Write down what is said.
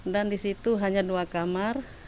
dan di situ hanya dua kamar